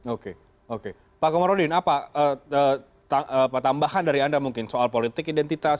oke oke pak komarudin apa tambahan dari anda mungkin soal politik identitas